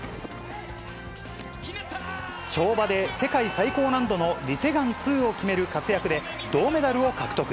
跳馬で世界最高難度のリ・セグァン２を決める活躍で、銅メダルを獲得。